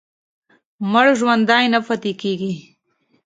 مړ ژوندی نه پاتې کېږي.